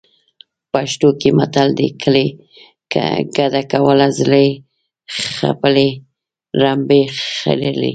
پښتو کې متل دی. کلی کډه کوله زړې خپلې رمبې خریلې.